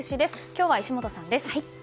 今日は石本さんです。